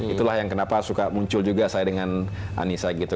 itulah yang kenapa suka muncul juga saya dengan anissa gitu